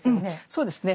そうですね。